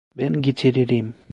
Ben getiririm.